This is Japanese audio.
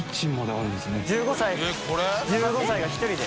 海譟１５歳が１人で。